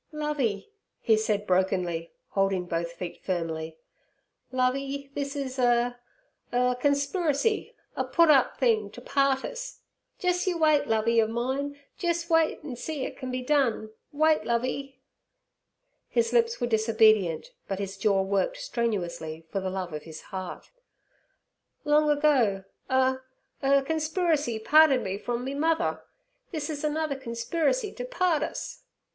'Lovey' he said brokenly, holding both feet firmly, 'Lovey—this—is—a—er—conspriricy—a put up thing to part us! Jes' yer wait, Lovey ov mine—jes' wait an' see can it be done. Wait, Lovey—' His lips were disobedient, but his jaw worked strenuously for the love of his heart. 'Long ago a—er—conspriricy parted me from me—mother. This is another conspriricy to part us.'